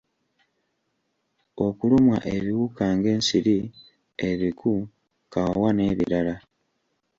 Okulumwa ebiwuka ng’ensiri, ebiku, kawawa n’ebirala.